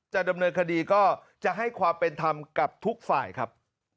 จะดำเนินคดีก็จะให้ความเป็นธรรมกับทุกฝ่ายครับ